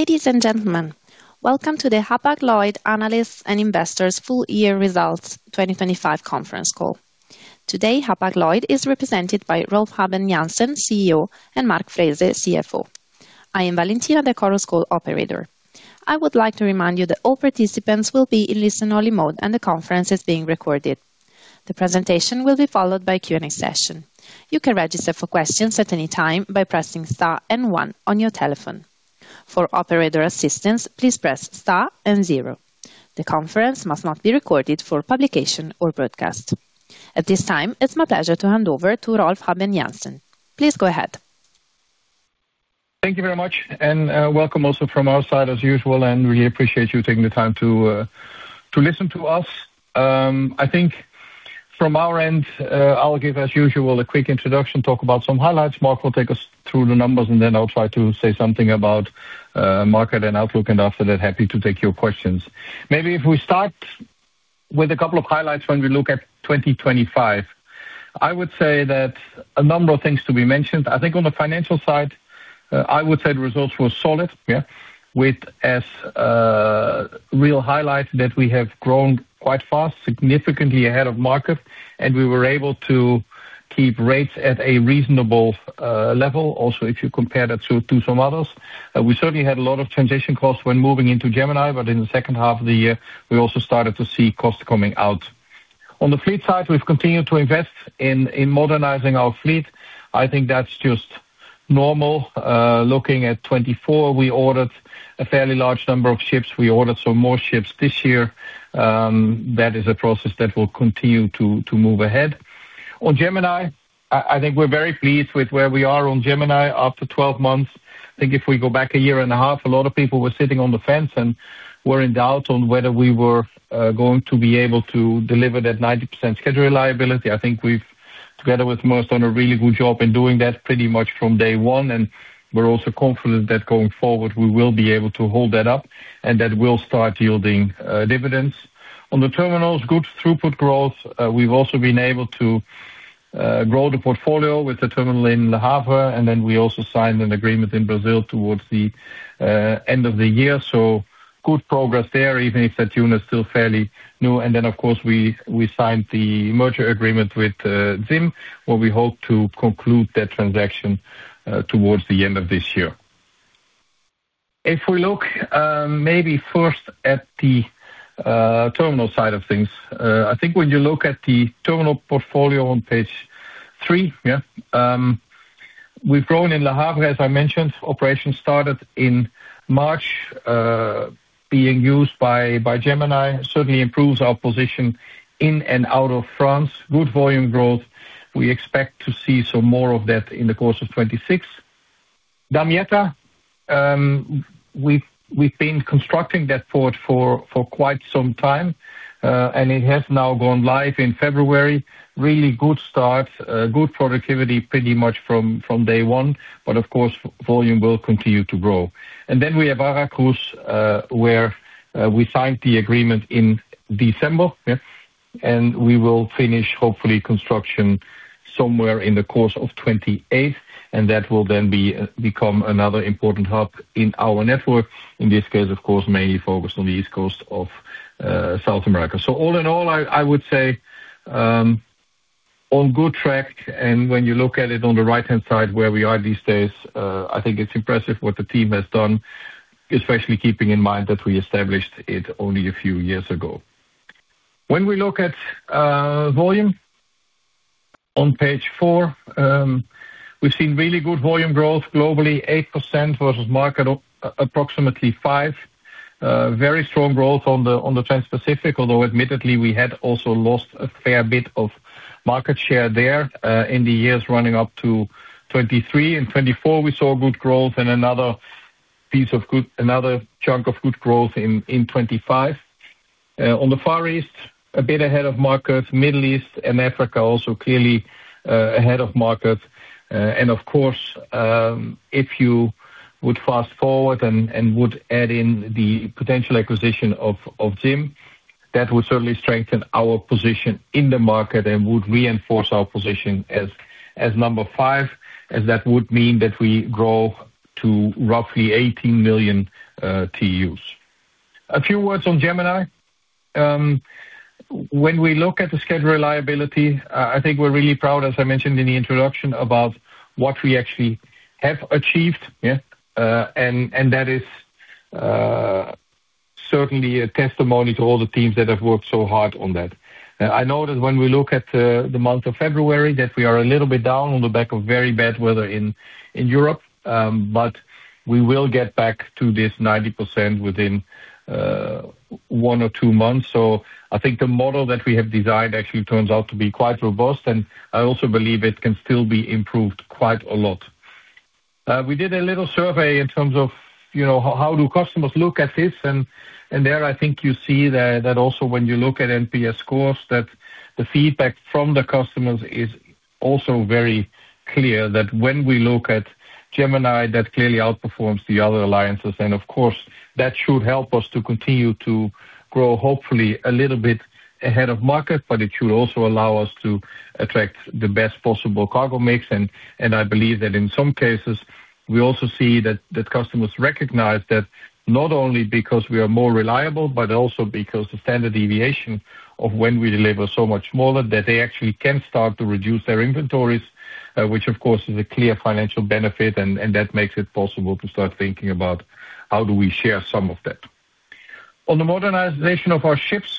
Ladies and gentlemen, welcome to the Hapag-Lloyd Analysts and Investors Full Year Results 2025 conference call. Today, Hapag-Lloyd is represented by Rolf Habben Jansen, CEO, and Mark Frese, CFO. I am Valentina, the call's operator. I would like to remind you that all participants will be in listen-only mode, and the conference is being recorded. The presentation will be followed by a Q&A session. You can register for questions at any time by pressing star and one on your telephone. For operator assistance, please press star and zero. The conference must not be recorded for publication or broadcast. At this time, it's my pleasure to hand over to Rolf Habben Jansen. Please go ahead. Thank you very much, and welcome also from our side as usual, and we appreciate you taking the time to listen to us. I think from our end, I'll give, as usual, a quick introduction, talk about some highlights. Mark will take us through the numbers, and then I'll try to say something about market and outlook, and after that, happy to take your questions. Maybe if we start with a couple of highlights when we look at 2025. I would say that a number of things to be mentioned. I think on the financial side, I would say the results were solid, yeah, with as a real highlight that we have grown quite fast, significantly ahead of market, and we were able to keep rates at a reasonable level. Also, if you compare that to some others. We certainly had a lot of transition costs when moving into Gemini, but in the second half of the year, we also started to see costs coming out. On the fleet side, we've continued to invest in modernizing our fleet. I think that's just normal. Looking at 2024, we ordered a fairly large number of ships. We ordered some more ships this year. That is a process that will continue to move ahead. On Gemini, I think we're very pleased with where we are on Gemini after 12 months. I think if we go back a year and a half, a lot of people were sitting on the fence and were in doubt on whether we were going to be able to deliver that 90% schedule reliability. I think we've, together with Maersk, done a really good job in doing that pretty much from day one, and we're also confident that going forward, we will be able to hold that up and that will start yielding dividends. On the terminals, good throughput growth. We've also been able to grow the portfolio with the terminal in Le Havre, and then we also signed an agreement in Brazil towards the end of the year. Good progress there, even if that unit is still fairly new. Of course, we signed the merger agreement with ZIM, where we hope to conclude that transaction towards the end of this year. If we look maybe first at the terminal side of things, I think when you look at the terminal portfolio on page three, we've grown in Le Havre, as I mentioned. Operations started in March, being used by Gemini. Certainly improves our position in and out of France. Good volume growth. We expect to see some more of that in the course of 2026. Damietta, we've been constructing that port for quite some time, and it has now gone live in February. Really good start. Good productivity pretty much from day one. But of course, volume will continue to grow. Then we have Veracruz, where we signed the agreement in December, yeah, and we will finish, hopefully, construction somewhere in the course of 2028, and that will then become another important hub in our network. In this case, of course, mainly focused on the east coast of South America. All in all, I would say on good track. When you look at it on the right-hand side where we are these days, I think it's impressive what the team has done, especially keeping in mind that we established it only a few years ago. When we look at volume on page four, we've seen really good volume growth globally, 8% versus market of approximately 5%. Very strong growth on the Transpacific, although admittedly, we had also lost a fair bit of market share there in the years running up to 2023. In 2024, we saw good growth and another chunk of good growth in 2025. On the Far East, a bit ahead of market. Middle East and Africa also clearly ahead of market. Of course, if you would fast-forward and would add in the potential acquisition of ZIM, that would certainly strengthen our position in the market and would reinforce our position as number five, as that would mean that we grow to roughly 18 million TEUs. A few words on Gemini. When we look at the schedule reliability, I think we're really proud, as I mentioned in the introduction, about what we actually have achieved, yeah. And that is certainly a testimony to all the teams that have worked so hard on that. I know that when we look at the month of February, that we are a little bit down on the back of very bad weather in Europe, but we will get back to this 90% within one or two months. I think the model that we have designed actually turns out to be quite robust, and I also believe it can still be improved quite a lot. We did a little survey in terms of, you know, how do customers look at this, and there I think you see that also when you look at NPS scores, that the feedback from the customers is also very clear that when we look at Gemini, that clearly outperforms the other alliances. Of course, that should help us to continue to grow, hopefully a little bit ahead of market, but it should also allow us to attract the best possible cargo mix. I believe that in some cases we also see that customers recognize that not only because we are more reliable, but also because the standard deviation of when we deliver so much more that they actually can start to reduce their inventories, which of course is a clear financial benefit, and that makes it possible to start thinking about how do we share some of that. On the modernization of our ships,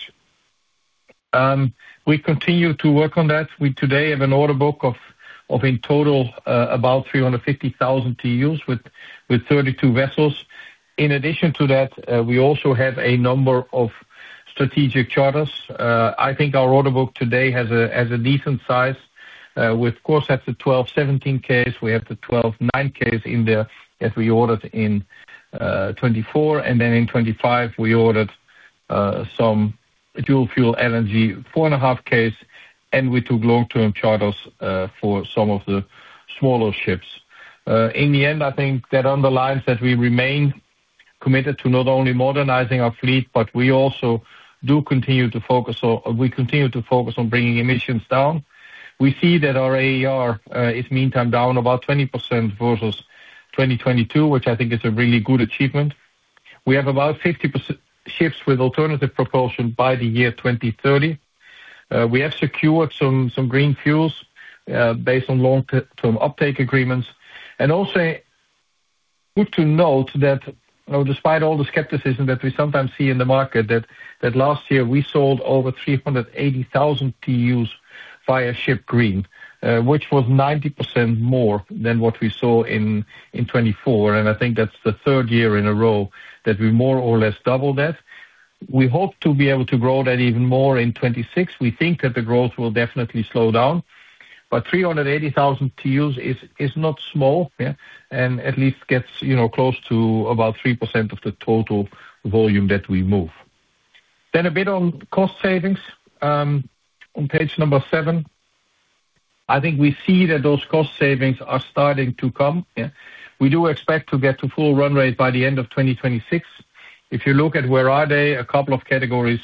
we continue to work on that. We today have an order book of in total about 350,000 TEUs with 32 vessels. In addition to that, we also have a number of strategic charters. I think our order book today has a decent size. We of course have the [12-17 Ks]. We have the [12-9Ks] in there that we ordered in 2024. In 2025, we ordered some dual fuel LNG, 4.5Ks, and we took long-term charters for some of the smaller ships. In the end, I think that underlines that we remain committed to not only modernizing our fleet, but we also do continue to focus on bringing emissions down. We see that our AER is meantime down about 20% versus 2022, which I think is a really good achievement. We have about 50% ships with alternative propulsion by the year 2030. We have secured some green fuels based on long-term uptake agreements. Also good to note that despite all the skepticism that we sometimes see in the market, that last year we sold over 380,000 TEUs via Ship Green, which was 90% more than what we saw in 2024. I think that's the third year in a row that we more or less doubled that. We hope to be able to grow that even more in 2026. We think that the growth will definitely slow down. 380,000 TEUs is not small. At least gets, you know, close to about 3% of the total volume that we move. A bit on cost savings, on page seven. I think we see that those cost savings are starting to come. We do expect to get to full run rate by the end of 2026. If you look at where they are, a couple of categories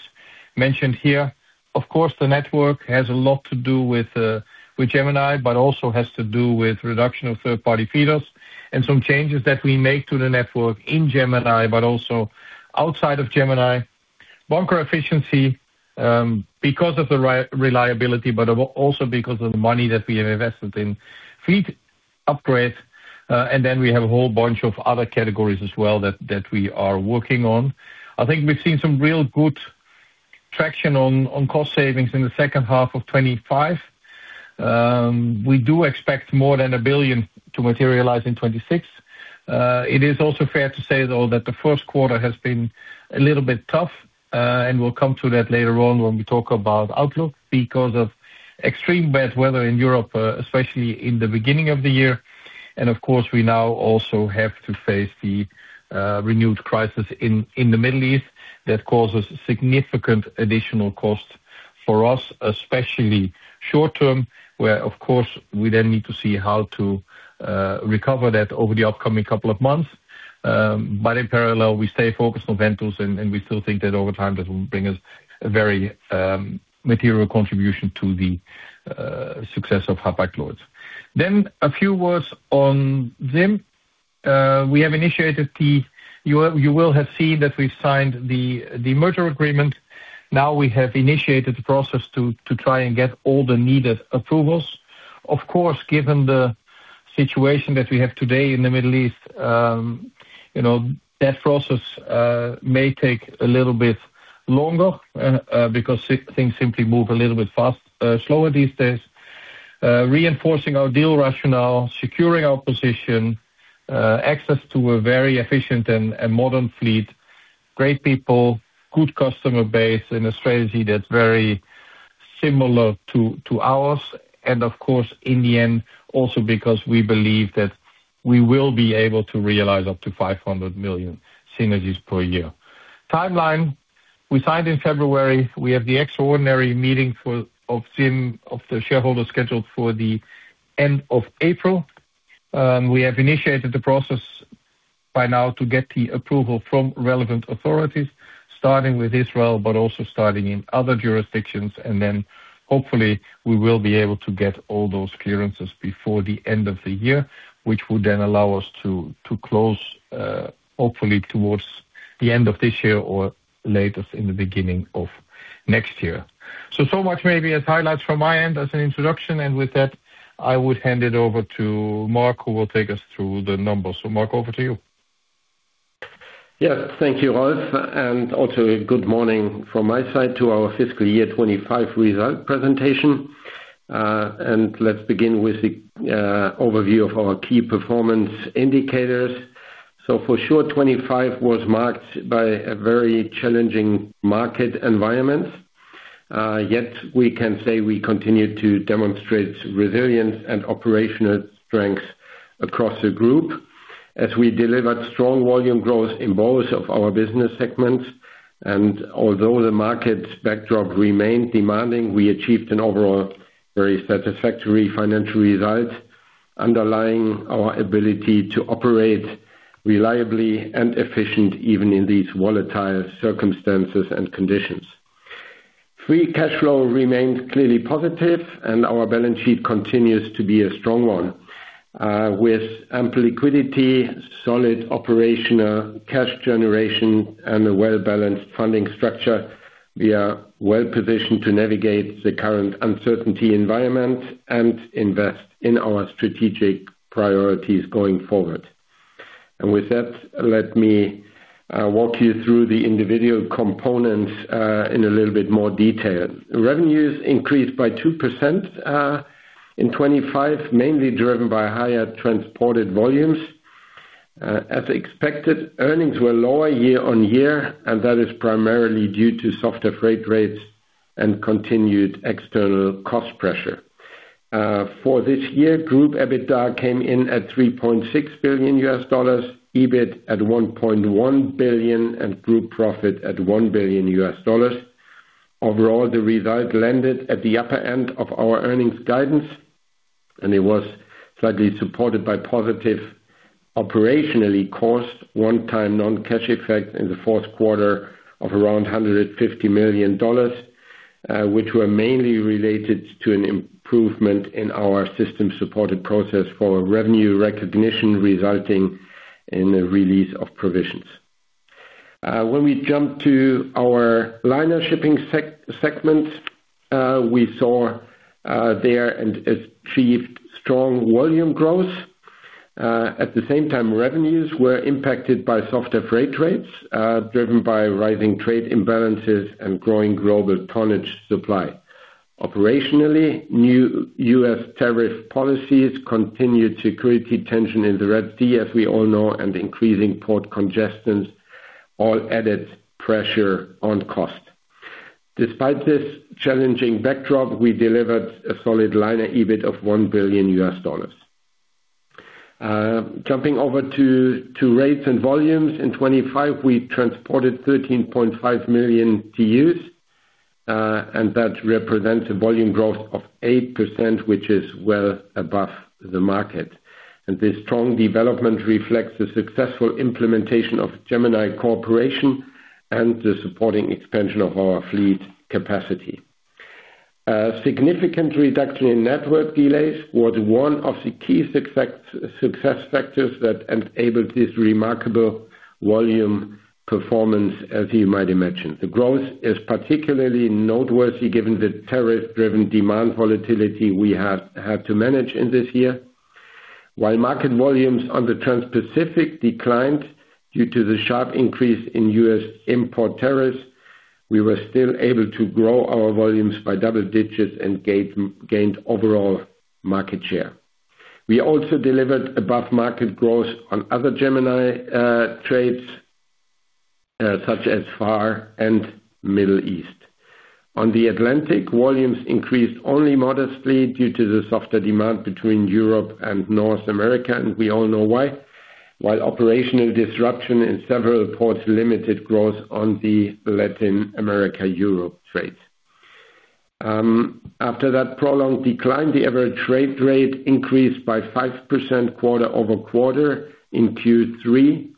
mentioned here. Of course, the network has a lot to do with Gemini, but also has to do with reduction of third-party feeders and some changes that we make to the network in Gemini, but also outside of Gemini. Bunker efficiency because of the reliability, but also because of the money that we have invested in fleet upgrades. Then we have a whole bunch of other categories as well that we are working on. I think we've seen some real good traction on cost savings in the second half of 2025. We do expect more than $1 billion to materialize in 2026. It is also fair to say, though, that the first quarter has been a little bit tough, and we'll come to that later on when we talk about outlook because of extreme bad weather in Europe, especially in the beginning of the year. Of course, we now also have to face the renewed crisis in the Middle East that causes significant additional cost for us, especially short-term, where of course, we then need to see how to recover that over the upcoming couple of months. In parallel, we stay focused on Ventus, and we still think that over time, that will bring us a very material contribution to the success of Hapag-Lloyd. A few words on ZIM. You will have seen that we signed the merger agreement. Now we have initiated the process to try and get all the needed approvals. Of course, given the situation that we have today in the Middle East, you know, that process may take a little bit longer, because things simply move a little bit slower these days. Reinforcing our deal rationale, securing our position, access to a very efficient and modern fleet, great people, good customer base, and a strategy that's very similar to ours. Of course, in the end, also because we believe that we will be able to realize up to $500 million synergies per year. Timeline. We signed in February. We have the extraordinary meeting of ZIM, the shareholder scheduled for the end of April. We have initiated the process by now to get the approval from relevant authorities, starting with Israel, but also starting in other jurisdictions. Hopefully, we will be able to get all those clearances before the end of the year, which will then allow us to close hopefully towards the end of this year or later in the beginning of next year. Much maybe as highlights from my end as an introduction. With that, I would hand it over to Mark, who will take us through the numbers. Mark, over to you. Yes. Thank you, Rolf. Also a good morning from my side to our fiscal year 2025 result presentation. Let's begin with the overview of our key performance indicators. For sure, 2025 was marked by a very challenging market environment. Yet we can say we continue to demonstrate resilience and operational strength across the group as we delivered strong volume growth in both of our business segments. Although the market backdrop remained demanding, we achieved an overall very satisfactory financial result underlying our ability to operate reliably and efficiently even in these volatile circumstances and conditions. Free cash flow remains clearly positive and our balance sheet continues to be a strong one. With ample liquidity, solid operational cash generation, and a well-balanced funding structure, we are well-positioned to navigate the current uncertain environment and invest in our strategic priorities going forward. With that, let me walk you through the individual components in a little bit more detail. Revenues increased by 2% in 2025, mainly driven by higher transported volumes. As expected, earnings were lower year-on-year, and that is primarily due to softer freight rates and continued external cost pressure. For this year, group EBITDA came in at $3.6 billion, EBIT at $1.1 billion, and group profit at $1 billion. Overall, the result landed at the upper end of our earnings guidance, and it was slightly supported by positive operational cost one-time non-cash effect in the fourth quarter of around $150 million, which were mainly related to an improvement in our system-supported process for revenue recognition, resulting in a release of provisions. When we jump to our liner shipping segment, we saw therein and achieved strong volume growth. At the same time, revenues were impacted by softer freight rates, driven by rising trade imbalances and growing global tonnage supply. Operationally, new U.S. tariff policies, continued security tensions in the Red Sea, as we all know, and increasing port congestion all added pressure on costs. Despite this challenging backdrop, we delivered a solid liner EBIT of $1 billion. Jumping over to rates and volumes. In 2025, we transported 13.5 million TEUs, and that represents a volume growth of 8%, which is well above the market. This strong development reflects the successful implementation of Gemini Cooperation and the supporting expansion of our fleet capacity. A significant reduction in network delays was one of the key success factors that enabled this remarkable volume performance, as you might imagine. The growth is particularly noteworthy given the tariff-driven demand volatility we have had to manage in this year. While market volumes on the Transpacific declined due to the sharp increase in U.S. import tariffs, we were still able to grow our volumes by double digits and gained overall market share. We also delivered above-market growth on other Gemini trades, such as Far and Middle East. On the Atlantic, volumes increased only modestly due to the softer demand between Europe and North America, and we all know why. While operational disruption in several ports limited growth on the Latin America-Europe trades. After that prolonged decline, the average rate increased by 5% quarter-over-quarter in Q3,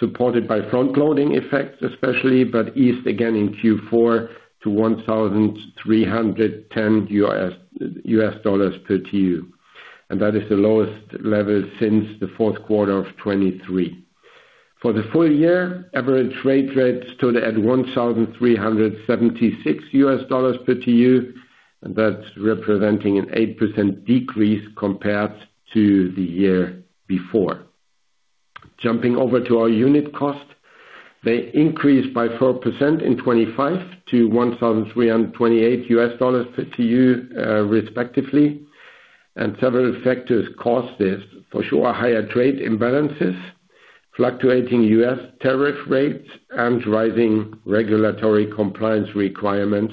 supported by front-loading effects especially, but eased again in Q4 to $1,310 per TEU. That is the lowest level since the fourth quarter of 2023. For the full year, average rate stood at $1,376 per TEU, and that's representing an 8% decrease compared to the year before. Jumping over to our unit cost. They increased by 4% in 2025 to $1,328 per TEU, respectively. Several factors caused this. For sure, higher trade imbalances, fluctuating U.S. tariff rates, and rising regulatory compliance requirements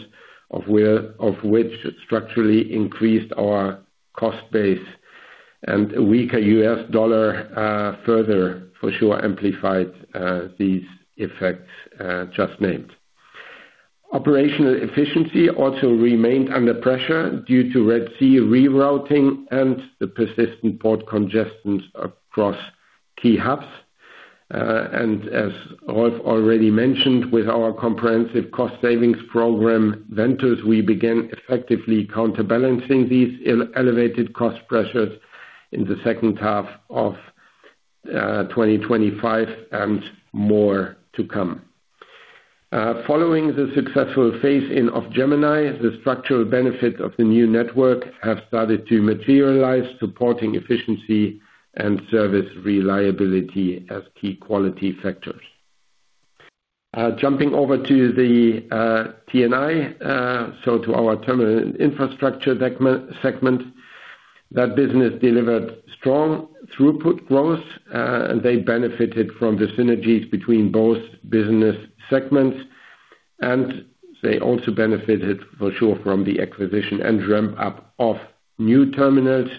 of which structurally increased our cost base. A weaker U.S. dollar, further for sure amplified these effects just named. Operational efficiency also remained under pressure due to Red Sea rerouting and the persistent port congestion across key hubs. As I've already mentioned with our comprehensive cost savings program Ventus, we began effectively counterbalancing these elevated cost pressures in the second half of 2025 and more to come. Following the successful phase-in of Gemini, the structural benefits of the new network have started to materialize, supporting efficiency and service reliability as key quality factors. Jumping over to the T&I, so to our terminal infrastructure segment, that business delivered strong throughput growth. They benefited from the synergies between both business segments, and they also benefited for sure from the acquisition and ramp up of new terminals.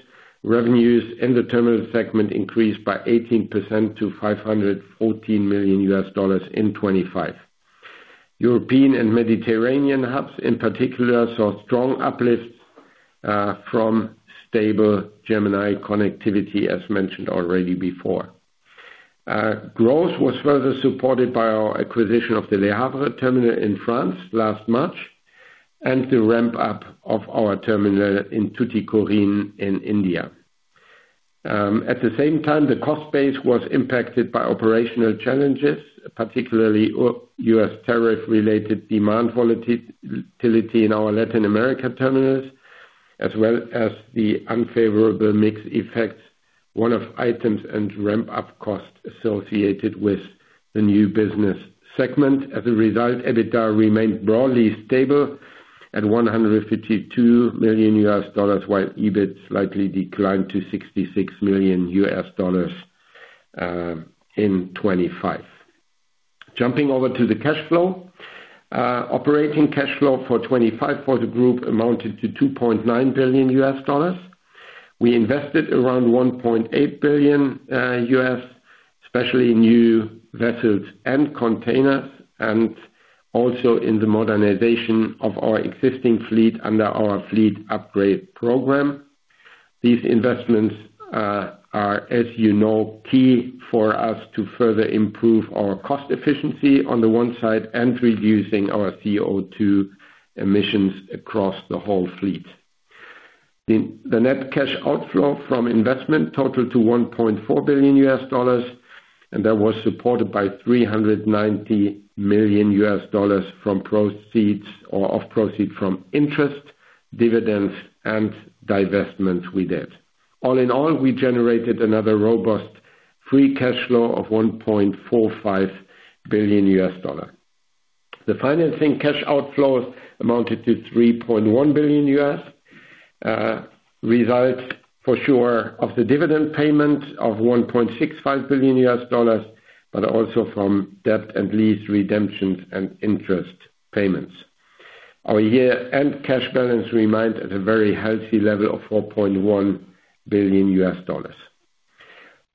Revenues in the terminal segment increased by 18% to $514 million in 2025. European and Mediterranean hubs, in particular, saw strong uplifts from stable Gemini connectivity as mentioned already before. Growth was further supported by our acquisition of the Le Havre terminal in France last March, and the ramp up of our terminal in Tuticorin in India. At the same time, the cost base was impacted by operational challenges, particularly U.S. tariff related demand volatility in our Latin America terminals, as well as the unfavorable mix effects, one-off items and ramp up costs associated with the new business segment. As a result, EBITDA remained broadly stable at $152 million, while EBIT slightly declined to $66 million in 2025. Jumping over to the cash flow. Operating cash flow for 2025 for the group amounted to $2.9 billion. We invested around $1.8 billion, especially new vessels and containers, and also in the modernization of our existing fleet under our fleet upgrade program. These investments are, as you know, key for us to further improve our cost efficiency on the one side and reducing our CO2 emissions across the whole fleet. The net cash outflow from investment totaled to $1.4 billion, and that was supported by $390 million from proceeds from interest, dividends, and divestments we did. All in all, we generated another robust free cash flow of $1.45 billion. The financing cash outflows amounted to $3.1 billion, a result, for sure, of the dividend payment of $1.65 billion, but also from debt and lease redemptions and interest payments. Our year-end cash balance remained at a very healthy level of $4.1 billion.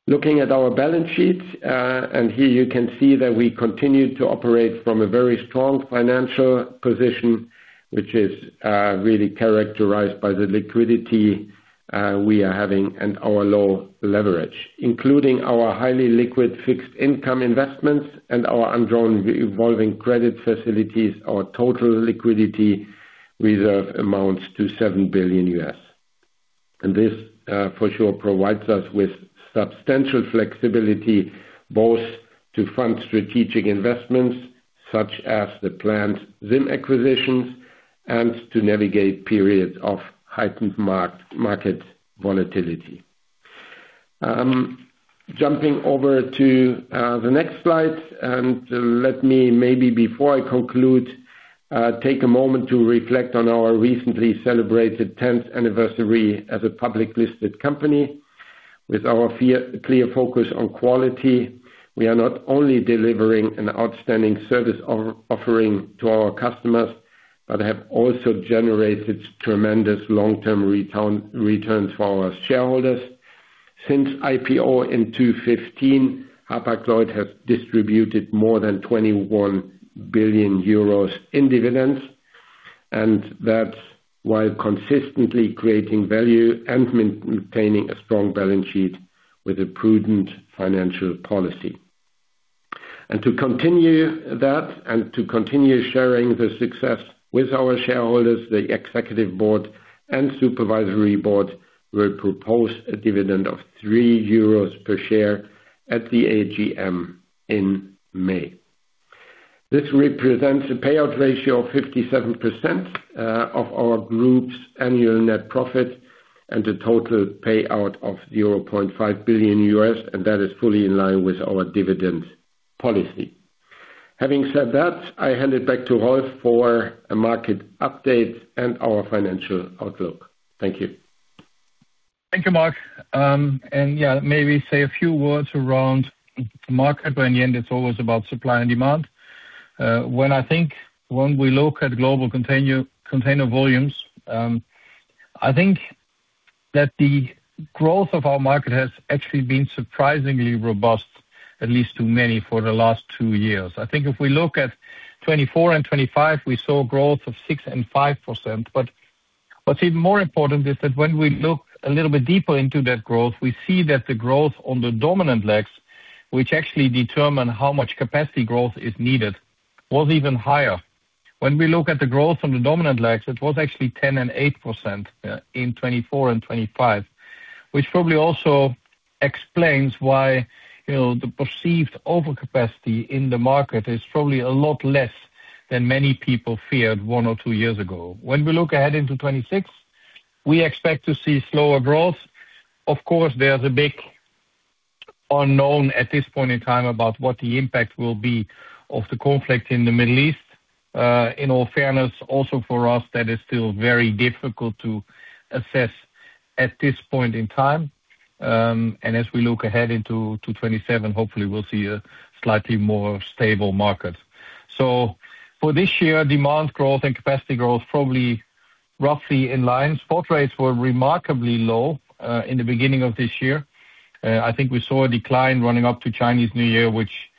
Looking at our balance sheets, and here you can see that we continue to operate from a very strong financial position, which is really characterized by the liquidity we are having and our low leverage, including our highly liquid fixed income investments and our undrawn revolving credit facilities. Our total liquidity reserve amounts to $7 billion. This, for sure, provides us with substantial flexibility, both to fund strategic investments such as the planned ZIM acquisitions, and to navigate periods of heightened market volatility. Jumping over to the next slide, let me, before I conclude, take a moment to reflect on our recently celebrated tenth anniversary as a publicly listed company. With our clear focus on quality, we are not only delivering an outstanding service offering to our customers, but have also generated tremendous long-term returns for our shareholders. Since IPO in 2015, Hapag-Lloyd has distributed more than 21 billion euros in dividends, and that's while consistently creating value and maintaining a strong balance sheet with a prudent financial policy. To continue that and to continue sharing the success with our shareholders, the executive board and supervisory board will propose a dividend of 3 euros per share at the AGM in May. This represents a payout ratio of 57% of our group's annual net profit and a total payout of $0.5 billion, and that is fully in line with our dividend policy. Having said that, I hand it back to Rolf for a market update and our financial outlook. Thank you. Thank you, Mark. Yeah, maybe say a few words around the market, but in the end, it's always about supply and demand. When we look at global container volumes, I think that the growth of our market has actually been surprisingly robust, at least to many, for the last two years. I think if we look at 2024 and 2025, we saw growth of 6% and 5%. What's even more important is that when we look a little bit deeper into that growth, we see that the growth on the dominant legs, which actually determine how much capacity growth is needed, was even higher. When we look at the growth on the dominant legs, it was actually 10% and 8% in 2024 and 2025. Which probably also explains why, you know, the perceived overcapacity in the market is probably a lot less than many people feared one or two years ago. When we look ahead into 2026, we expect to see slower growth. Of course, there's a big unknown at this point in time about what the impact will be of the conflict in the Middle East. In all fairness, also for us, that is still very difficult to assess at this point in time. As we look ahead into 2027, hopefully we'll see a slightly more stable market. For this year, demand growth and capacity growth probably roughly in line. Spot rates were remarkably low in the beginning of this year. I think we saw a decline running up to Chinese New Year, which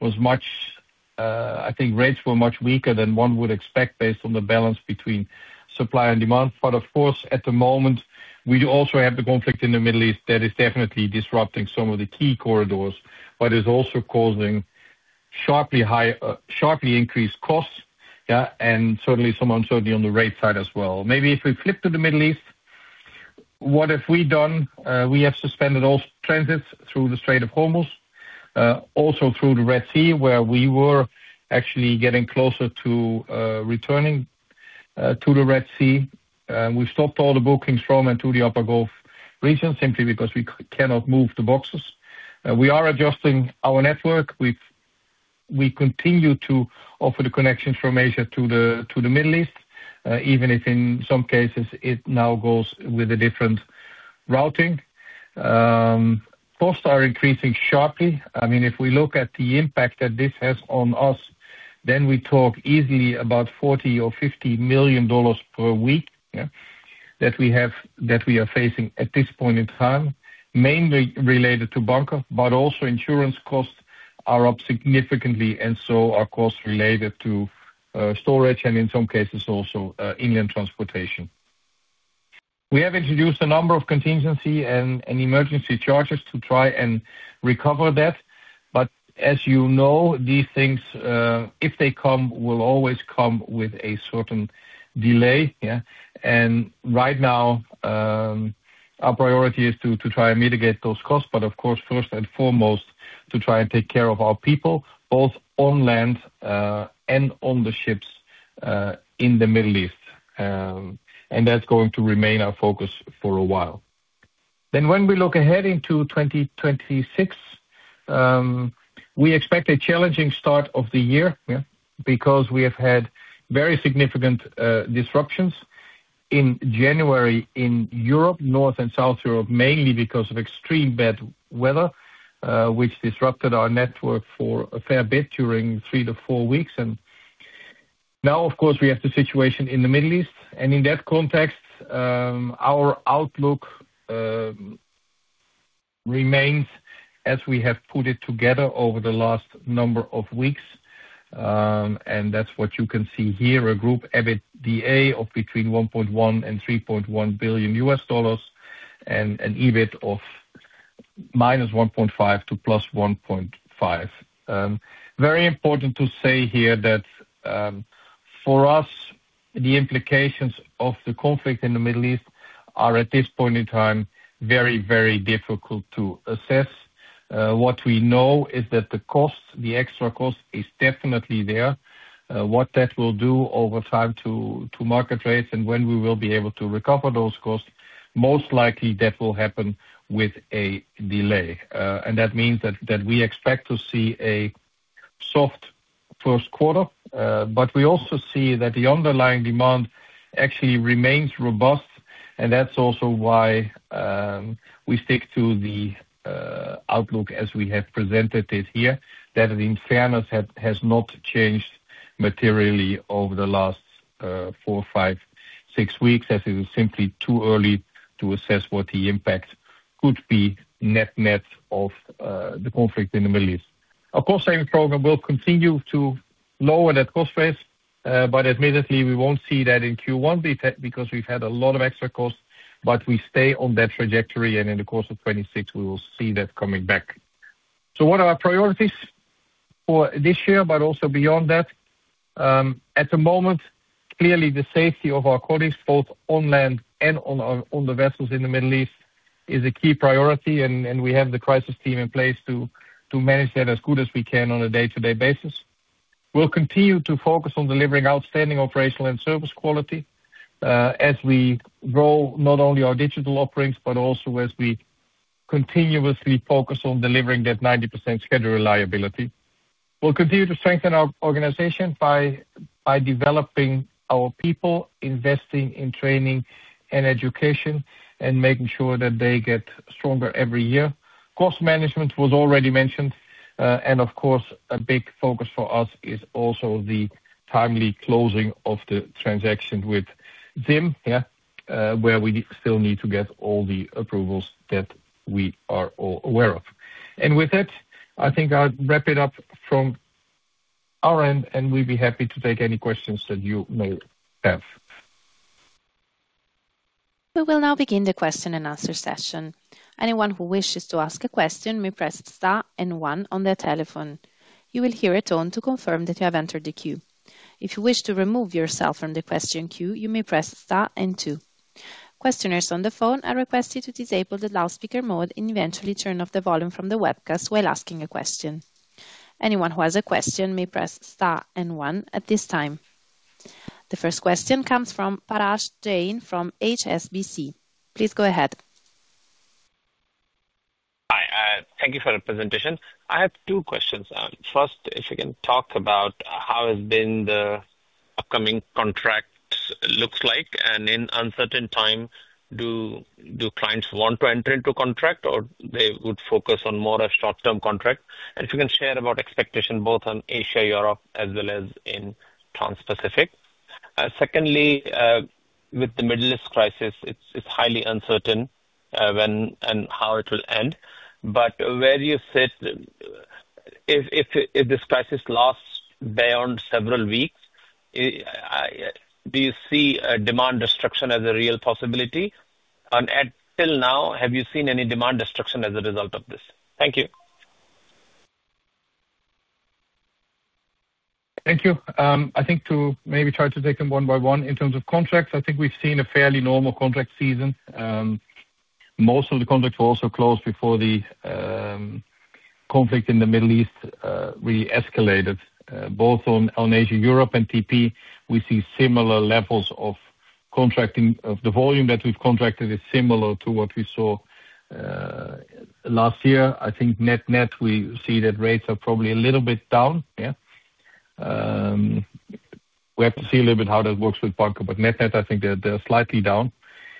was much, I think rates were much weaker than one would expect based on the balance between supply and demand. But of course, at the moment, we also have the conflict in the Middle East that is definitely disrupting some of the key corridors, but is also causing sharply increased costs, yeah, and certainly some uncertainty on the rate side as well. Maybe if we flip to the Middle East, what have we done? We have suspended all transits through the Strait of Hormuz, also through the Red Sea, where we were actually getting closer to returning to the Red Sea. We stopped all the bookings from and to the Upper Gulf region simply because we cannot move the boxes. We are adjusting our network. We continue to offer the connection from Asia to the Middle East, even if in some cases it now goes with a different routing. Costs are increasing sharply. I mean, if we look at the impact that this has on us, then we talk easily about $40 million or $50 million per week that we are facing at this point in time, mainly related to bunker, but also insurance costs are up significantly and so are costs related to storage and in some cases also inland transportation. We have introduced a number of contingency and emergency charges to try and recover that. As you know, these things if they come will always come with a certain delay. Right now, our priority is to try and mitigate those costs, but of course first and foremost to try and take care of our people both on land and on the ships in the Middle East. That's going to remain our focus for a while. When we look ahead into 2026, we expect a challenging start of the year, yeah, because we have had very significant disruptions in January in Europe, North and South Europe, mainly because of extreme bad weather, which disrupted our network for a fair bit during three to four weeks. Now of course we have the situation in the Middle East. In that context, our outlook remains as we have put it together over the last number of weeks. That's what you can see here, a group EBITDA of between $1.1 billion and $3.1 billion and an EBIT of -$1.5 to +$1.5. Very important to say here that for us, the implications of the conflict in the Middle East are at this point in time very, very difficult to assess. What we know is that the cost, the extra cost is definitely there. What that will do over time to market rates and when we will be able to recover those costs, most likely that will happen with a delay. That means that we expect to see a soft first quarter. We also see that the underlying demand actually remains robust. That's also why we stick to the outlook as we have presented it here, that in fairness has not changed materially over the last four, five, six weeks, as it is simply too early to assess what the impact could be net-net of the conflict in the Middle East. Our cost-saving program will continue to lower that cost base, but admittedly, we won't see that in Q1 because we've had a lot of extra costs, but we stay on that trajectory, and in the course of 2026, we will see that coming back. What are our priorities for this year, but also beyond that? At the moment, clearly the safety of our colleagues, both on land and on the vessels in the Middle East, is a key priority, and we have the crisis team in place to manage that as good as we can on a day-to-day basis. We'll continue to focus on delivering outstanding operational and service quality, as we grow not only our digital offerings, but also as we continuously focus on delivering that 90% schedule reliability. We'll continue to strengthen our organization by developing our people, investing in training and education, and making sure that they get stronger every year. Cost management was already mentioned. Of course a big focus for us is also the timely closing of the transaction with ZIM, where we still need to get all the approvals that we are all aware of. With that, I think I'll wrap it up from our end, and we'll be happy to take any questions that you may have. We will now begin the question and answer session. Anyone who wishes to ask a question may press star and one on their telephone. You will hear a tone to confirm that you have entered the queue. If you wish to remove yourself from the question queue, you may press star and two. Questioners on the phone are requested to disable the loudspeaker mode and eventually turn off the volume from the webcast while asking a question. Anyone who has a question may press star and one at this time. The first question comes from Parash Jain from HSBC. Please go ahead. Hi, thank you for the presentation. I have two questions. First, if you can talk about how has been the upcoming contracts looks like? In uncertain time, do clients want to enter into contract or they would focus on more a short-term contract? If you can share about expectation both on Asia, Europe as well as in Transpacific. Secondly, with the Middle East crisis, it's highly uncertain when and how it will end. Where do you sit if this crisis lasts beyond several weeks, do you see a demand destruction as a real possibility? And until now, have you seen any demand destruction as a result of this? Thank you. Thank you. I think to maybe try to take them one by one. In terms of contracts, I think we've seen a fairly normal contract season. Most of the contracts were also closed before the conflict in the Middle East really escalated. Both on Asia, Europe, and TP, we see similar levels of contracting. The volume that we've contracted is similar to what we saw last year. I think net-net, we see that rates are probably a little bit down, yeah. We have to see a little bit how that works with bunker, but net-net, I think they're slightly down.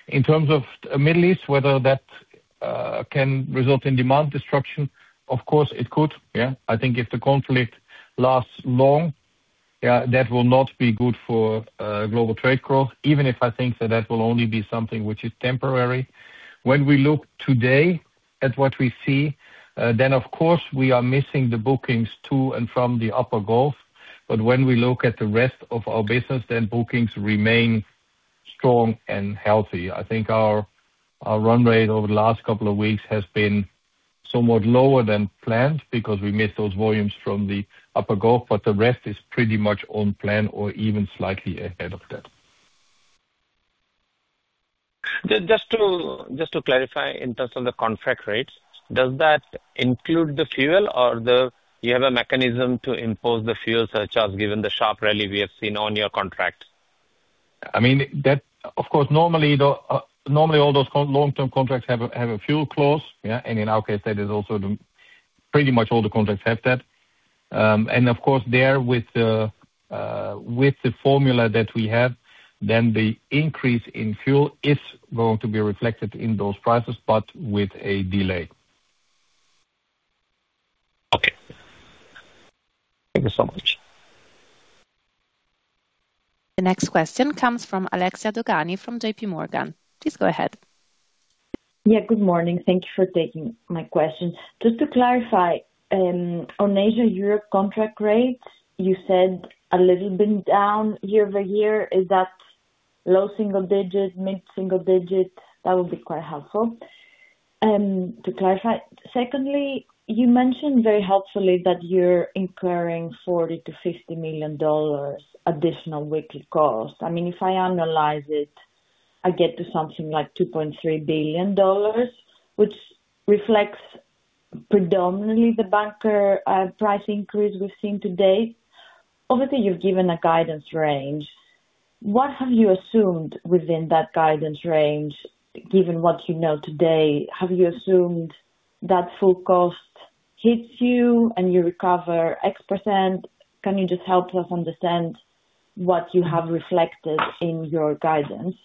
In terms of the Middle East, whether that can result in demand destruction, of course, it could, yeah. I think if the conflict lasts long, that will not be good for global trade growth, even if I think that will only be something which is temporary. When we look today at what we see, then, of course, we are missing the bookings to and from the Upper Gulf. When we look at the rest of our business, then bookings remain strong and healthy. I think our run rate over the last couple of weeks has been somewhat lower than planned because we missed those volumes from the Upper Gulf, but the rest is pretty much on plan or even slightly ahead of that. Just to clarify in terms of the contract rates, does that include the fuel or you have a mechanism to impose the fuel surcharge given the sharp rally we have seen on your contracts? I mean, that of course normally all those long-term contracts have a fuel clause, yeah. In our case, that is also the case. Pretty much all the contracts have that. Of course, with the formula that we have, then the increase in fuel is going to be reflected in those prices, but with a delay. Okay. Thank you so much. The next question comes from Alexia Dogani from JPMorgan. Please go ahead. Yeah, good morning. Thank you for taking my question. Just to clarify, on Asia Europe contract rates, you said a little bit down year-over-year. Is that low single digits, mid single digits? That would be quite helpful. To clarify. Secondly, you mentioned very helpfully that you're incurring $40 million-$50 million additional weekly cost. I mean, if I annualize it, I get to something like $2.3 billion, which reflects predominantly the bunker price increase we've seen to date. Obviously, you've given a guidance range. What have you assumed within that guidance range, given what you know today? Have you assumed that full cost hits you and you recover X%? Can you just help us understand what you have reflected in your guidance?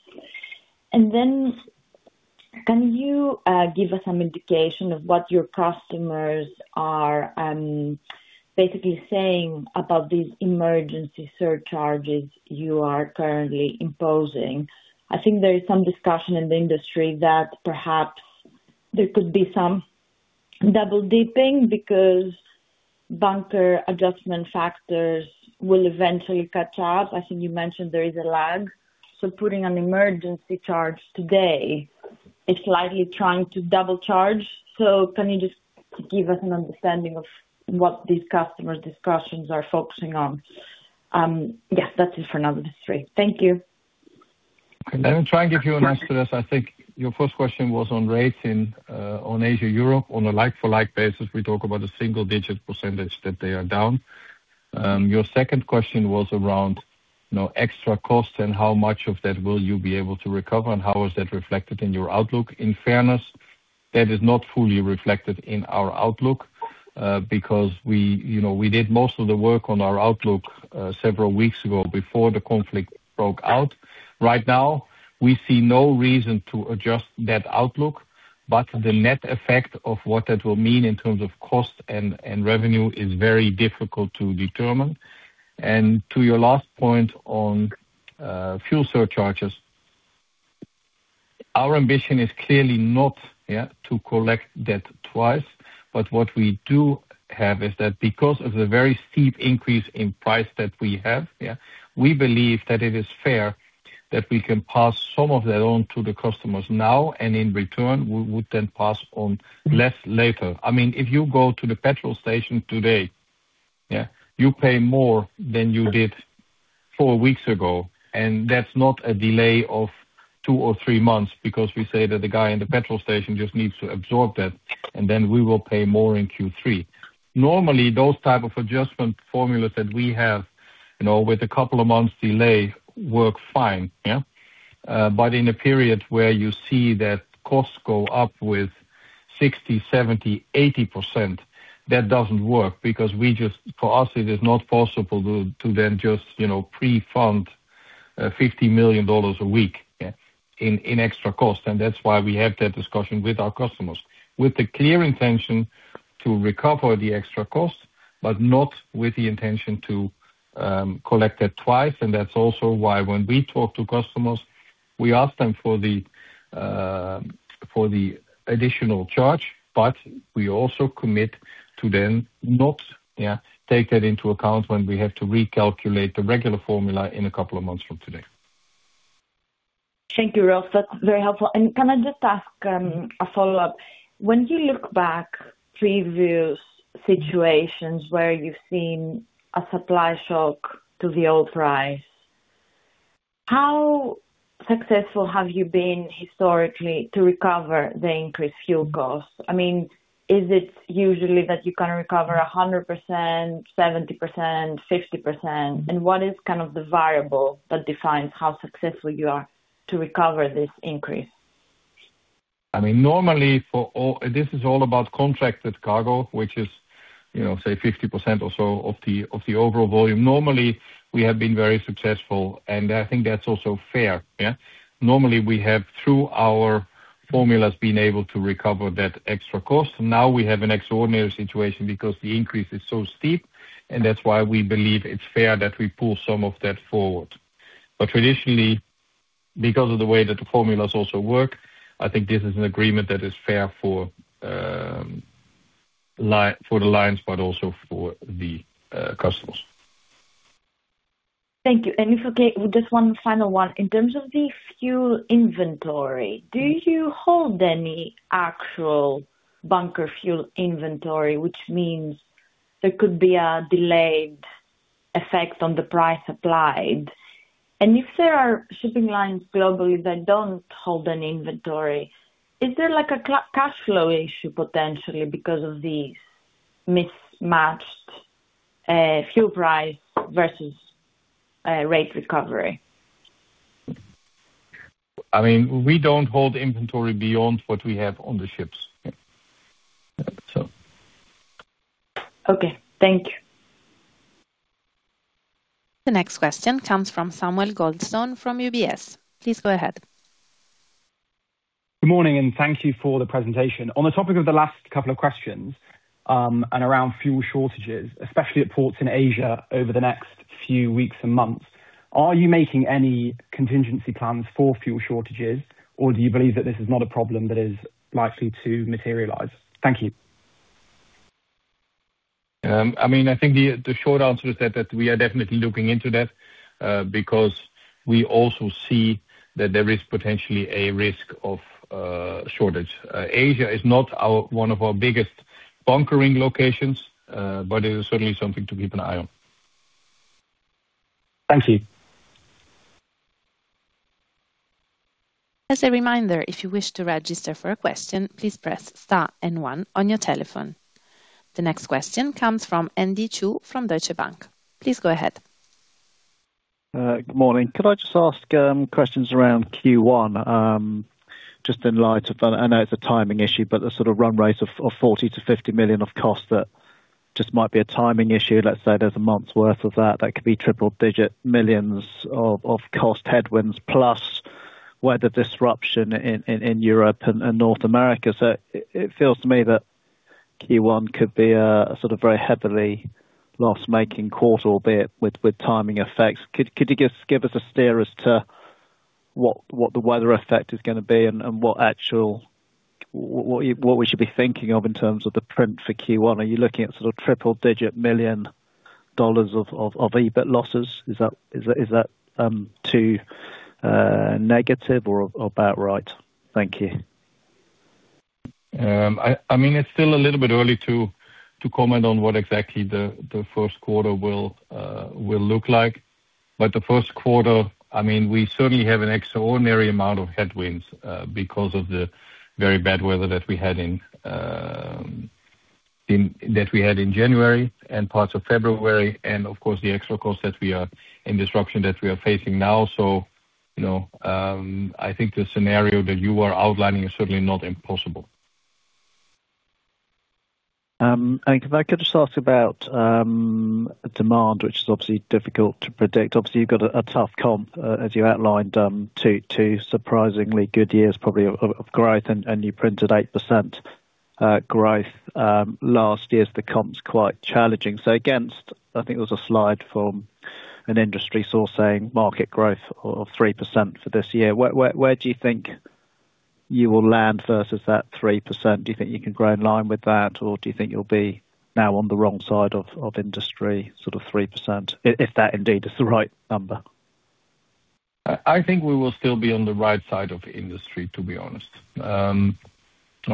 Can you give us some indication of what your customers are basically saying about these emergency surcharges you are currently imposing? I think there is some discussion in the industry that perhaps there could be some double-dipping because bunker adjustment factors will eventually catch up. I think you mentioned there is a lag. Putting an emergency charge today is likely trying to double charge. Can you just give us an understanding of what these customer discussions are focusing on? Yes. That's it for now. Thank you. Let me try and give you an answer to this. I think your first question was on rates in on Asia Europe. On a like-for-like basis, we talk about a single-digit percentage that they are down. Your second question was around, you know, extra costs and how much of that will you be able to recover, and how is that reflected in your outlook. In fairness, that is not fully reflected in our outlook, because we, you know, we did most of the work on our outlook, several weeks ago before the conflict broke out. Right now, we see no reason to adjust that outlook, but the net effect of what that will mean in terms of cost and revenue is very difficult to determine. To your last point on fuel surcharges, our ambition is clearly not to collect that twice. What we do have is that because of the very steep increase in price that we have, we believe that it is fair that we can pass some of that on to the customers now, and in return, we would then pass on less later. I mean, if you go to the petrol station today, you pay more than you did four weeks ago, and that's not a delay of two or three months because we say that the guy in the petrol station just needs to absorb that, and then we will pay more in Q3. Normally, those type of adjustment formulas that we have, you know, with a couple of months delay work fine. In a period where you see that costs go up with 60%, 70%, 80%, that doesn't work because for us, it is not possible to then just, you know, pre-fund $50 million a week in extra cost. That's why we have that discussion with our customers, with the clear intention to recover the extra cost, but not with the intention to collect that twice. That's also why when we talk to customers we ask them for the additional charge, but we also commit to then not take that into account when we have to recalculate the regular formula in a couple of months from today. Thank you, Rolf. That's very helpful. Can I just ask a follow-up? When you look back previous situations where you've seen a supply shock to the oil price, how successful have you been historically to recover the increased fuel costs? I mean, is it usually that you can recover 100%, 70%, 60%? What is kind of the variable that defines how successful you are to recover this increase? I mean, normally, for all this is all about contracted cargo, which is, you know, say 50% or so of the overall volume. Normally, we have been very successful, and I think that's also fair, yeah. Normally, we have, through our formulas, been able to recover that extra cost. Now we have an extraordinary situation because the increase is so steep, and that's why we believe it's fair that we pull some of that forward. Traditionally, because of the way that the formulas also work, I think this is an agreement that is fair for the lines, but also for the customers. Thank you. If okay, just one final one. In terms of the fuel inventory, do you hold any actual bunker fuel inventory, which means there could be a delayed effect on the price applied? If there are shipping lines globally that don't hold an inventory, is there like a cash flow issue potentially because of these mismatched, fuel price versus, rate recovery? I mean, we don't hold inventory beyond what we have on the ships. Yeah. Okay, thank you. The next question comes from [Samuel Goldstone] from UBS. Please go ahead. Good morning, and thank you for the presentation. On the topic of the last couple of questions, and around fuel shortages, especially at ports in Asia over the next few weeks and months, are you making any contingency plans for fuel shortages? Or do you believe that this is not a problem that is likely to materialize? Thank you. I mean, I think the short answer is that we are definitely looking into that, because we also see that there is potentially a risk of shortage. Asia is not one of our biggest bunkering locations, but it is certainly something to keep an eye on. Thank you. As a reminder, if you wish to register for a question, please press star and one on your telephone. The next question comes from Andy Chu from Deutsche Bank. Please go ahead. Good morning. Could I just ask questions around Q1, just in light of, I know it's a timing issue, but the sort of run rate of $40 million-$50 million of costs that just might be a timing issue. Let's say there's a month's worth of that. That could be triple-digit millions of cost headwinds plus weather disruption in Europe and North America. It feels to me that Q1 could be a sort of very heavily loss-making quarter, albeit with timing effects. Could you just give us a steer as to what the weather effect is gonna be and what we should be thinking of in terms of the print for Q1? Are you looking at sort of triple-digit million dollars of EBIT losses? Is that too negative or about right? Thank you. I mean, it's still a little bit early to comment on what exactly the first quarter will look like. The first quarter, I mean, we certainly have an extraordinary amount of headwinds because of the very bad weather that we had in January and parts of February, and of course, the extra costs and disruption that we are facing now. You know, I think the scenario that you are outlining is certainly not impossible. Could I just ask about demand, which is obviously difficult to predict. Obviously, you've got a tough comp as you outlined, two surprisingly good years probably of growth, and you printed 8% growth last year. The comp's quite challenging. Against, I think there was a slide from an industry source saying market growth of 3% for this year, where do you think you will land versus that 3%? Do you think you can grow in line with that, or do you think you'll be now on the wrong side of industry, sort of 3%, if that indeed is the right number? I think we will still be on the right side of industry, to be honest. You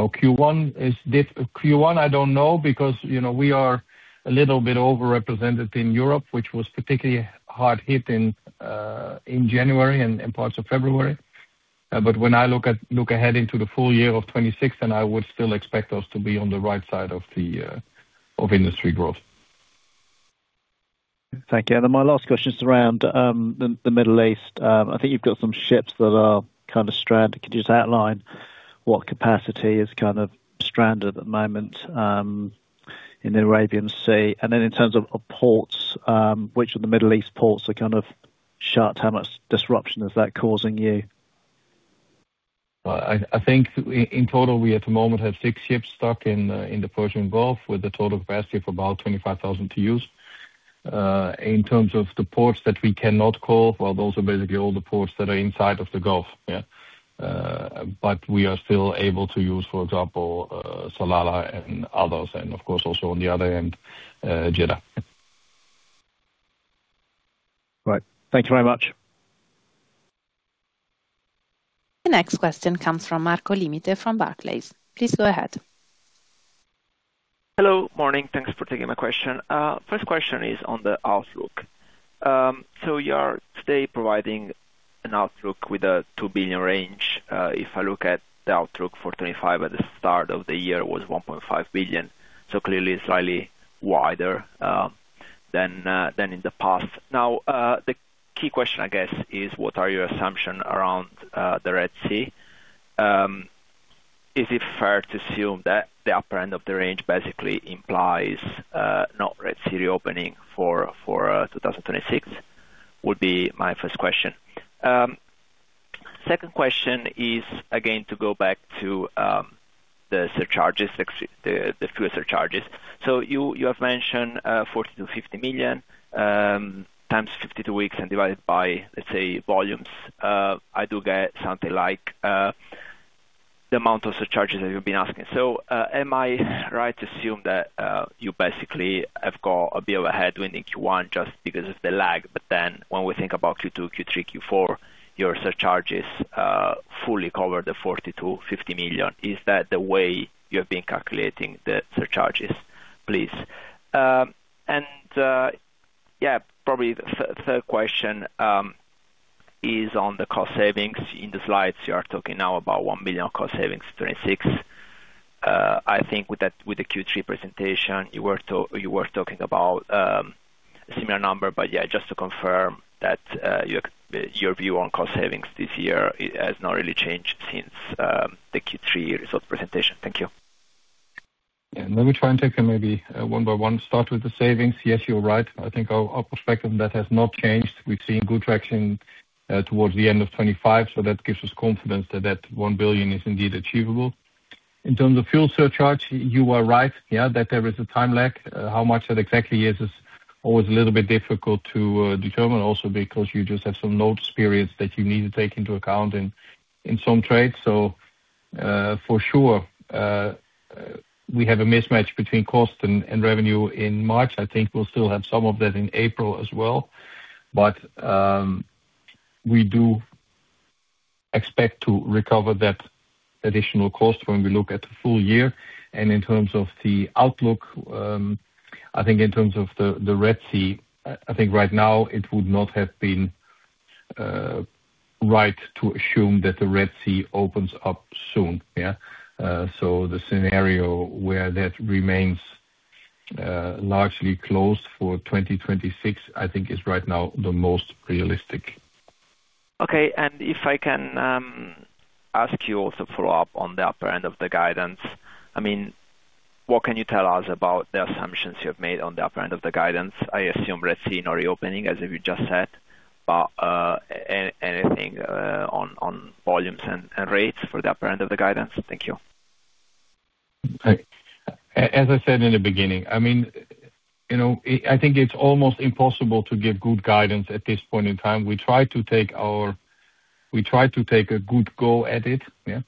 know, Q1, I don't know because, you know, we are a little bit over-represented in Europe, which was particularly hard hit in January and parts of February. When I look ahead into the full year of 2026, then I would still expect us to be on the right side of the industry growth. Thank you. My last question is around the Middle East. I think you've got some ships that are kind of stranded. Could you just outline what capacity is kind of stranded at the moment in the Arabian Sea? In terms of ports, which of the Middle East ports are kind of shut? How much disruption is that causing you? I think in total, we at the moment have six ships stuck in the Persian Gulf with a total capacity of about 25,000 TEUs. In terms of the ports that we cannot call, those are basically all the ports that are inside of the Gulf. We are still able to use, for example, Salalah and others, and of course also on the other end, Jeddah. Right. Thank you very much. The next question comes from Marco Limite from Barclays. Please go ahead. Hello. Morning. Thanks for taking my question. First question is on the outlook. So you are today providing an outlook with a $ 2 billion range. If I look at the outlook for 2025 at the start of the year was $1.5 billion, so clearly slightly wider than in the past. Now the key question I guess is what are your assumption around the Red Sea. Is it fair to assume that the upper end of the range basically implies not Red Sea reopening for 2026. Would be my first question. Second question is again to go back to the surcharges, ex the fuel surcharges. So you have mentioned $40 million-$50 million times 52 weeks and divided by, let's say, volumes. I do get something like the amount of surcharges that you've been asking. Am I right to assume that you basically have got a bit of a headwind in Q1 just because of the lag, but then when we think about Q2, Q3, Q4, your surcharges fully cover the $40 million-$50 million? Is that the way you have been calculating the surcharges, please? Yeah, probably the third question is on the cost savings. In the slides, you are talking now about $1 billion cost savings, 2026. I think with that, with the Q3 presentation, you were talking about a similar number, but yeah, just to confirm that your view on cost savings this year has not really changed since the Q3 result presentation. Thank you. Yeah. Let me try and take them maybe one by one. Start with the savings. Yes, you're right. I think our perspective on that has not changed. We've seen good traction towards the end of 2025, so that gives us confidence that one billion is indeed achievable. In terms of fuel surcharge, you are right, yeah, that there is a time lag. How much that exactly is always a little bit difficult to determine also because you just have some load periods that you need to take into account in some trades. So, for sure, we have a mismatch between cost and revenue in March. I think we'll still have some of that in April as well. We do expect to recover that additional cost when we look at the full year. In terms of the outlook, I think in terms of the Red Sea, I think right now it would not have been right to assume that the Red Sea opens up soon. The scenario where that remains largely closed for 2026, I think is right now the most realistic. Okay. If I can ask you also follow up on the upper end of the guidance. I mean, what can you tell us about the assumptions you have made on the upper end of the guidance? I assume Red Sea no reopening, as you just said, but anything on volumes and rates for the upper end of the guidance? Thank you. As I said in the beginning, I mean, you know, I think it's almost impossible to give good guidance at this point in time. We try to take a good go at it, yeah.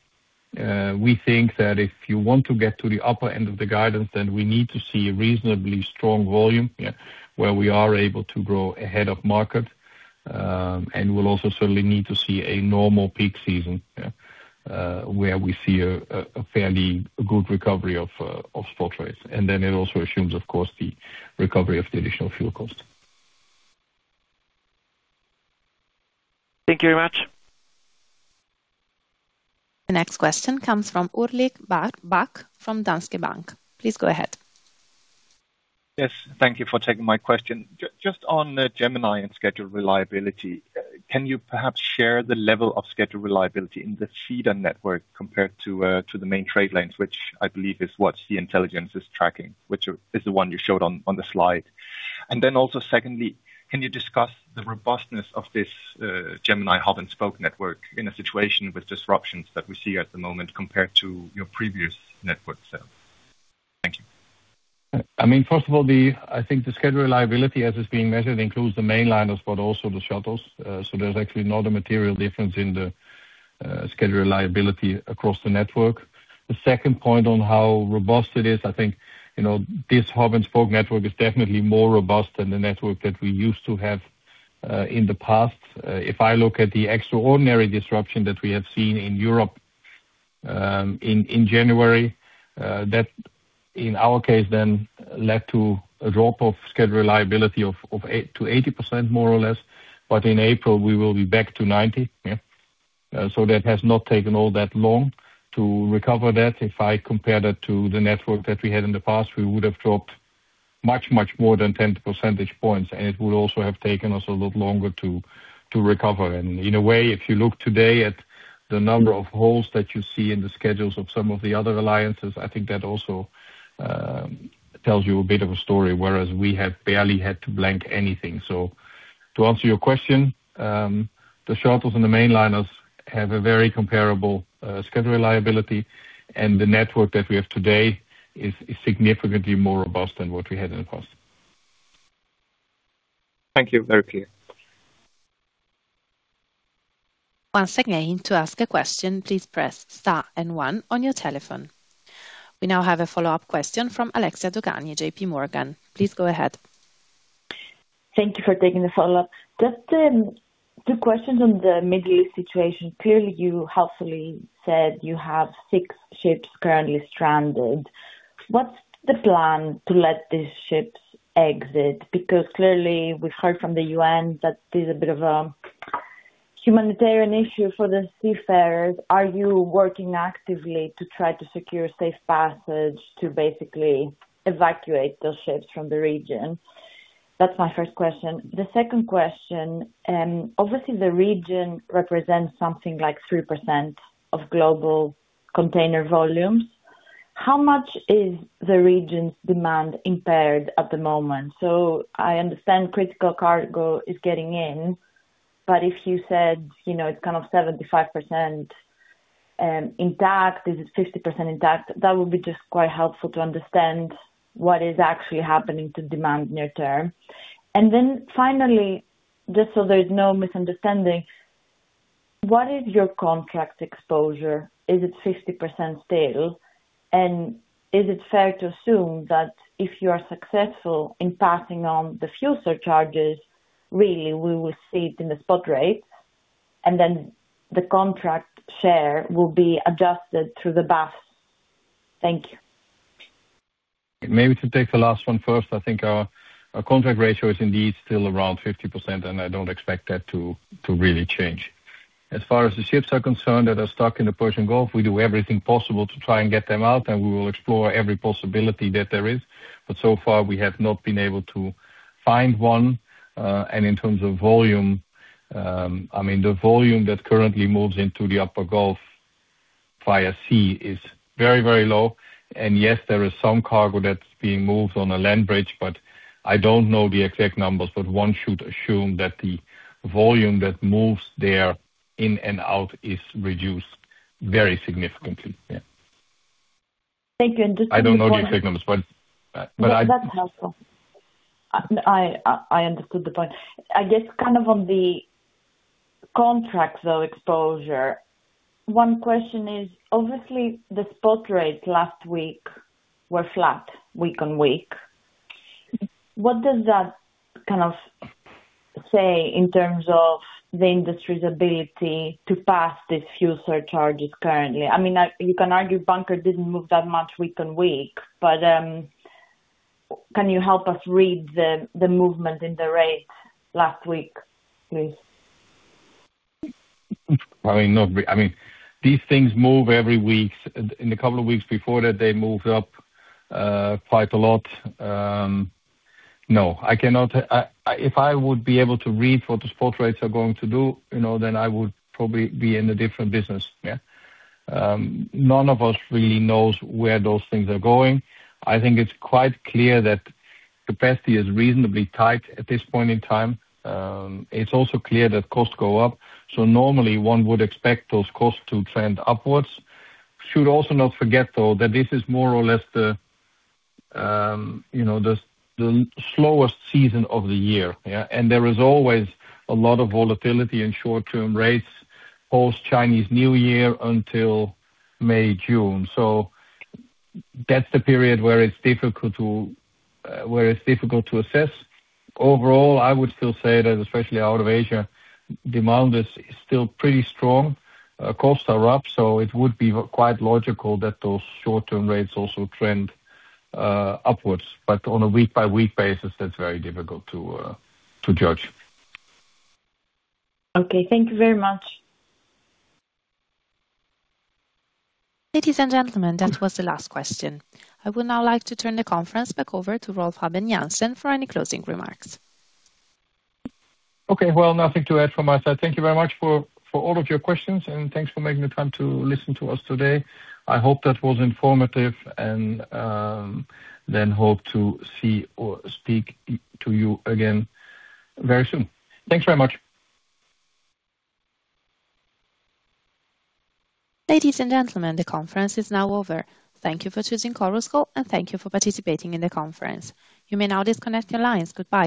We think that if you want to get to the upper end of the guidance, then we need to see reasonably strong volume, yeah, where we are able to grow ahead of market. We'll also certainly need to see a normal peak season, yeah, where we see a fairly good recovery of full trades. Then it also assumes, of course, the recovery of the additional fuel cost. Thank you very much. The next question comes from Ulrik Bak from Danske Bank. Please go ahead. Yes. Thank you for taking my question. Just on Gemini and schedule reliability, can you perhaps share the level of schedule reliability in the feeder network compared to the main trade lanes, which I believe is what Sea-Intelligence is tracking, which is the one you showed on the slide? Then also secondly, can you discuss the robustness of this Gemini hub-and-spoke network in a situation with disruptions that we see at the moment compared to your previous network setup? Thank you. I mean, first of all, I think the schedule reliability as it's being measured includes the mainliners, but also the shuttles. So there's actually not a material difference in the schedule reliability across the network. The second point on how robust it is, I think, you know, this hub and spoke network is definitely more robust than the network that we used to have in the past. If I look at the extraordinary disruption that we have seen in Europe in January, that in our case then led to a drop of schedule reliability of 80% more or less. In April we will be back to 90%. So that has not taken all that long to recover that. If I compare that to the network that we had in the past, we would have dropped much, much more than 10 percentage points, and it would also have taken us a lot longer to recover. In a way, if you look today at the number of holes that you see in the schedules of some of the other alliances, I think that also tells you a bit of a story, whereas we have barely had to blank anything. To answer your question, the shuttles and the mainliners have a very comparable schedule reliability, and the network that we have today is significantly more robust than what we had in the past. Thank you. Very clear. We now have a follow-up question from Alexia Dogani, JPMorgan. Please go ahead. Thank you for taking the follow-up. Just two questions on the Middle East situation. Clearly, you helpfully said you have six ships currently stranded. What's the plan to let these ships exit? Because clearly we've heard from the UN that there's a bit of a humanitarian issue for the seafarers. Are you working actively to try to secure safe passage to basically evacuate those ships from the region? That's my first question. The second question, obviously the region represents something like 3% of global container volumes. How much is the region's demand impaired at the moment? So I understand critical cargo is getting in, but if you said, you know, it's kind of 75% intact, is it 50% intact? That would be just quite helpful to understand what is actually happening to demand near term. Finally, just so there is no misunderstanding, what is your contract exposure? Is it 50% still? Is it fair to assume that if you are successful in passing on the fuel surcharges, really we will see it in the spot rates, and then the contract share will be adjusted through the BAF? Thank you. Maybe to take the last one first. I think our contract ratio is indeed still around 50%, and I don't expect that to really change. As far as the ships are concerned that are stuck in the Persian Gulf, we do everything possible to try and get them out, and we will explore every possibility that there is. So far, we have not been able to find one. In terms of volume, I mean, the volume that currently moves into the Upper Gulf via sea is very, very low. Yes, there is some cargo that's being moved on a land bridge, but I don't know the exact numbers. One should assume that the volume that moves there in and out is reduced very significantly. Yeah. Thank you. I don't know the exact numbers, but. That's helpful. I understood the point. I guess kind of on the contract, though, exposure, one question is, obviously the spot rates last week were flat week on week. What does that kind of say in terms of the industry's ability to pass these fuel surcharges currently? I mean, you can argue bunker didn't move that much week on week, but can you help us read the movement in the rates last week, please? I mean, these things move every week. In the couple of weeks before that, they moved up quite a lot. No, I cannot. If I would be able to read what the spot rates are going to do, you know, then I would probably be in a different business. Yeah. None of us really knows where those things are going. I think it's quite clear that capacity is reasonably tight at this point in time. It's also clear that costs go up, so normally one would expect those costs to trend upwards. Should also not forget, though, that this is more or less the, you know, the slowest season of the year, yeah. There is always a lot of volatility in short-term rates post-Chinese New Year until May, June. That's the period where it's difficult to assess. Overall, I would still say that especially out of Asia, demand is still pretty strong. Costs are up, so it would be quite logical that those short-term rates also trend upwards. On a week-by-week basis, that's very difficult to judge. Okay, thank you very much. Ladies and gentlemen, that was the last question. I would now like to turn the conference back over to Rolf Habben Jansen for any closing remarks. Okay. Well, nothing to add from my side. Thank you very much for all of your questions, and thanks for making the time to listen to us today. I hope that was informative, and I hope to see or speak to you again very soon. Thanks very much. Ladies and gentlemen, the conference is now over. Thank you for choosing Chorus Call, and thank you for participating in the conference. You may now disconnect your lines. Goodbye.